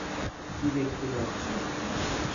কী দেখতে পাচ্ছ?